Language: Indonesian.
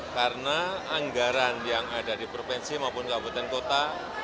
karena anggaran yang ada di provinsi maupun kabupaten kota